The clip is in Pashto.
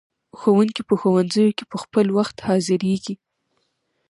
ښوونکي په ښوونځیو کې په خپل وخت حاضریږي.